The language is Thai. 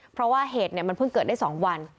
เพราะว่าเหตุมันเพิ่งเกิดได้๒วัน